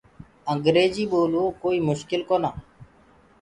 انٚگريجيٚ ٻولوو ڪوئيٚ مُشڪل ڪونآ